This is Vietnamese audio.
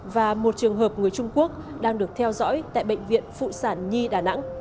và một trường hợp người trung quốc đang được theo dõi tại bệnh viện phụ sản nhi đà nẵng